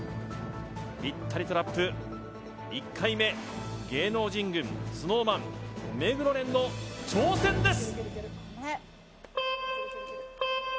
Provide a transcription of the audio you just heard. ぴったりトラップ１回目芸能人軍ＳｎｏｗＭａｎ目黒蓮の挑戦です！